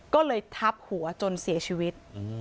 ก็เลยทับหัวจนเสียชีวิต